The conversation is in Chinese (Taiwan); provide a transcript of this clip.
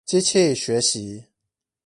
機器學習